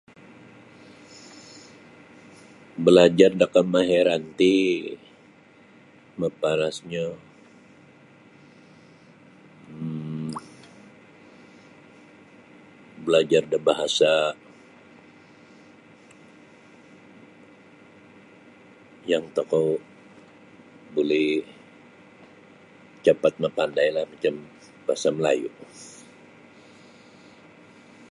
Balajar da kamahiran ti maparasnyo um balajar da bahasa' yang tokou buli capat mapandailah macam bahasa Melayu.